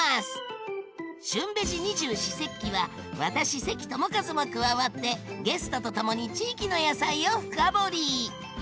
「旬ベジ二十四節気」は私関智一も加わってゲストとともに地域の野菜を深掘り！